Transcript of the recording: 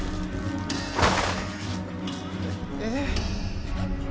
えっ？